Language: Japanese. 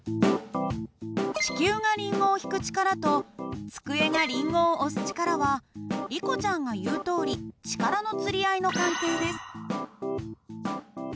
地球がリンゴを引く力と机がリンゴを押す力はリコちゃんが言うとおり力のつり合いの関係です。